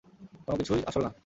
কোনোকিছুই আসল না।